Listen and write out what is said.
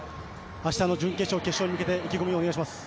明日の準決勝、決勝に向けて意気込みをお願いします。